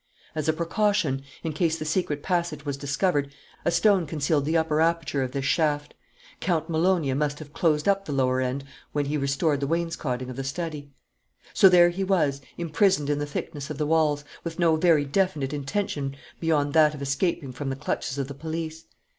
As a precaution, in case the secret passage was discovered, a stone concealed the upper aperture of this shaft. Count Malonyi must have closed up the lower end when he restored the wainscoting of the study. So there he was, imprisoned in the thickness of the walls, with no very definite intention beyond that of escaping from the clutches of the police.